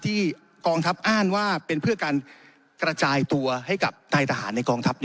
กองทัพอ้างว่าเป็นเพื่อการกระจายตัวให้กับนายทหารในกองทัพ